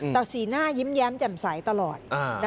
แต่สีหน้ายิ้มแย้มแจ่มใสตลอด